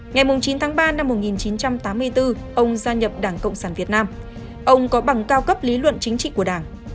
ngày chín tháng ba năm một nghìn chín trăm tám mươi bốn ông gia nhập đảng cộng sản việt nam ông có bằng cao cấp lý luận chính trị của đảng